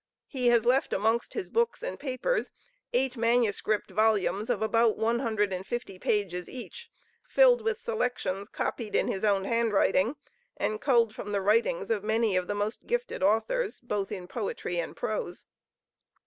He has left amongst his books and papers eight manuscript volumes of about one hundred and fifty pages each, filled with selections, copied in his own handwriting, and culled from the writings of many of the most gifted authors, both in poetry and prose.